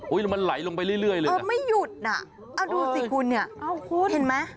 แล้วมันไหลลงไปเรื่อยเลยเออไม่หยุดน่ะเอาดูสิคุณเนี่ยคุณเห็นไหม